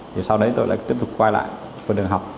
thì sau đấy tôi lại tiếp tục quay lại một đường học